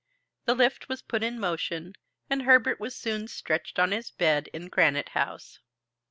The lift was put in motion, and Herbert was soon stretched on his bed in Granite House.